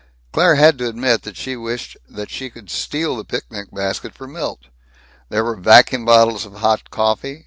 Claire had to admit that she wished that she could steal the picnic basket for Milt. There were vacuum bottles of hot coffee.